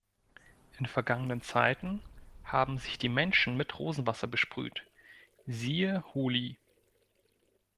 In vergangenen Zeiten haben sich die Menschen mit Rosenwasser besprüht, siehe Holi.